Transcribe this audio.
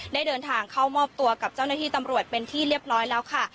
ได้เดินทางเข้ามอบตัวกับเจ้าหน้าที่ตำรวจเป็นที่เรียบร้อยแล้วค่ะ